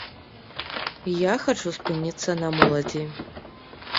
Я хачу спыніцца на моладзі.